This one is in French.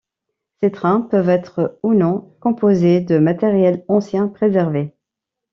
Ces trains peuvent être ou non composés de matériel ancien préservé.